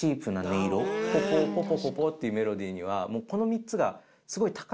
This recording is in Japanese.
ポポポポポポっていうメロディーにはこの３つが。